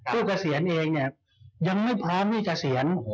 ผู้เกษียณเองยังไม่พร้อมที่เกษียณ